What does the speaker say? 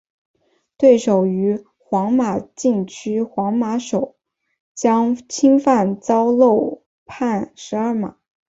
对手于皇马禁区皇马守将侵犯遭漏判十二码。